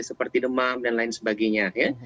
seperti demam dan lain sebagainya